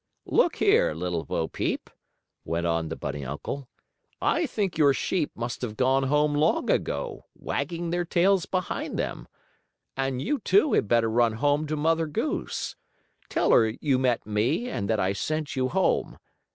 "Look here, Little Bo Peep," went on the bunny uncle. "I think your sheep must have gone home long ago, wagging their tails behind them. And you, too, had better run home to Mother Goose. Tell her you met me and that I sent you home.